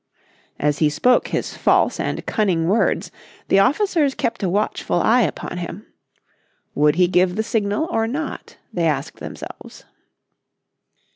As he spoke his false and cunning words, the officers kept a watchful eye upon him. Would he give the signal or not, they asked themselves.